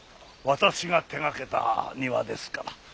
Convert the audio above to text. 私が手がけた庭ですから。